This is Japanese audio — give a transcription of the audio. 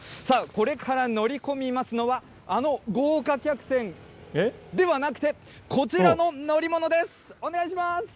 さあ、これから乗り込みますのは、あの豪華客船、ではなくて、こちらの乗り物です、お願いします。